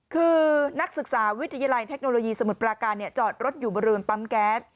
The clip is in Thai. คือนักศึกษาวิทยาลัยเทคโนโลยีสมุทรปราการจอดรถอยู่บริเวณปั๊มแก๊ส